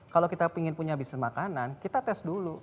kalau kita ingin punya bisnis makanan kita tes dulu